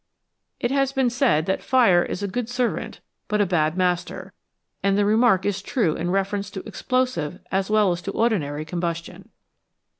It has been said that fire is a good servant but a bad master, and the remark is true in reference to explosive as well as to ordinary combustion.